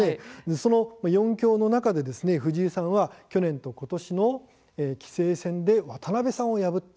その四強の中で藤井さんは去年とことしの棋聖戦で渡辺さんを破った。